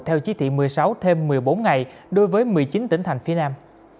theo chí thị một mươi sáu thêm một mươi bốn ngày đối với một mươi chín tỉnh thành phía nam